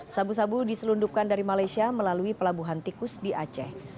sabu sabu diselundupkan dari malaysia melalui pelabuhan tikus di aceh